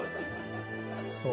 そう。